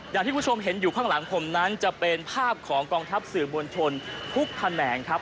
อย่างที่คุณผู้ชมเห็นอยู่ข้างหลังผมนั้นจะเป็นภาพของกองทัพสื่อมวลชนทุกแขนงครับ